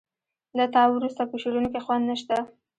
له تا وروسته په شعرونو کې خوند نه شته